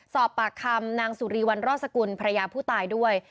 สอบปากคำนางสุรีวันรอสกุลภรรยาผู้ตายด้วย